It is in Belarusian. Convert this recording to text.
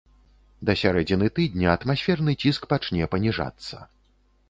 Да сярэдзіны тыдня атмасферны ціск пачне паніжацца.